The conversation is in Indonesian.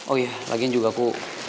oh ya lagian juga aku